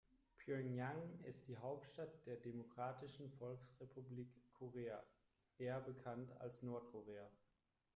Pjöngjang ist die Hauptstadt der Demokratischen Volksrepublik Korea, eher bekannt als Nordkorea.